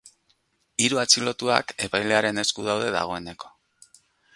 Hiru atxilotuak epailearen esku daude dagoeneko.